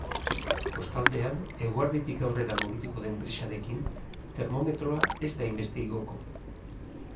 Kostaldean, eguerditik aurrera mugituko den brisarekin, termometroa ez da hainbeste igoko.